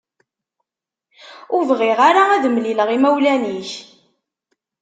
Ur bɣiɣ ara ad mlileɣ imawlan-ik.